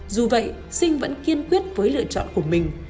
dù vậy sinh vẫn kiên quyết với lựa chọn của mình